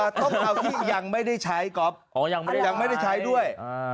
ต้องเอาที่ยังไม่ได้ใช้ก๊อฟยังไม่ได้ใช้ด้วย